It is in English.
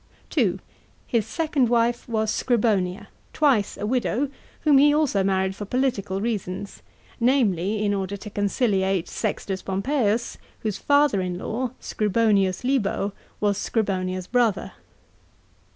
(2) His second wife was Scribonia, twice a widow, whom he also married for political reasons, namely, in order to conciliate Sextus Pompeius, whose father in law, Scribonius Libo, was Scribonia's brother.